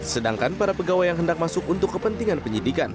sedangkan para pegawai yang hendak masuk untuk kepentingan penyidikan